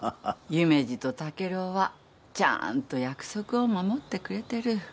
夢二と竹郎はちゃーんと約束を守ってくれてる。